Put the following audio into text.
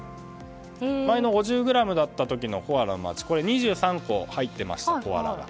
前の５０ｇだった時のコアラのマーチは２３個入っていました、コアラが。